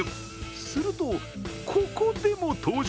すると、ここでも登場。